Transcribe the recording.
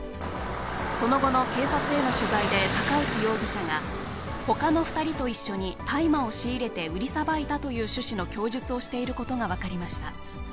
その後の警察への取材で高内容疑者が、ほかの２人と一緒に大麻を仕入れて売りさばいたという趣旨の供述をしていることが分かりました。